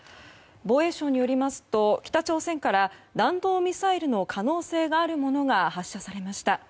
防衛省によりますと、北朝鮮から弾道ミサイルの可能性があるものが発射されました。